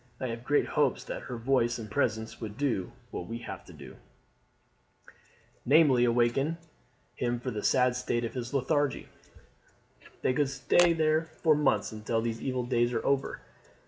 I have great hopes that her voice and presence would do what we have to do, namely, awaken him from his sad state of lethargy. They could stay there for months until these evil days are over.